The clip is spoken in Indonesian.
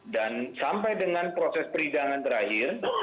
dan sampai dengan proses perhidangan terakhir